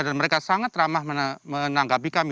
dan mereka sangat ramah menangkapi kami